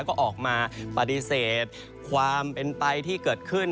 ก็ออกมาปฏิเสธความเป็นไปที่เกิดขึ้น